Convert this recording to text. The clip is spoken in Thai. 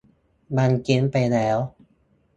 มันเจ๊งไปแล้ว